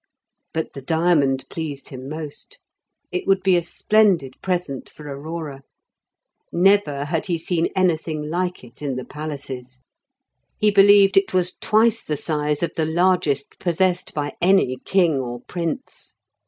But the diamond pleased him most; it would be a splendid present for Aurora. Never had he seen anything like it in the palaces; he believe it was twice the size of the largest possessed by any king or prince.